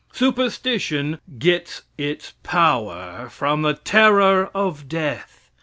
Superstition gets its power from the terror of death.